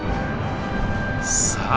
さあ